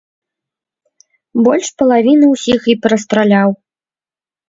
Больш палавіны ўсіх і перастраляў.